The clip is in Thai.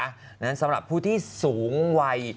ดังนั้นสำหรับผู้ที่สูงวัย